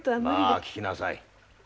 まあ聞きなさい。